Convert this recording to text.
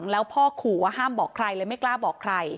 อืมแล้วก็ช่วงเย็นที่ผ่านมานะคะ